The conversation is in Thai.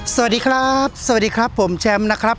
สวัสดีครับสวัสดีครับผมแชมป์นะครับ